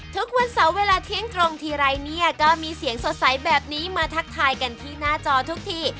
ทุกวันเสาร์เวลาเที่ยงตรงทีไรเนี่ยก็มีเสียงสดใสแบบนี้มาทักทายกันที่หน้าจอทุกที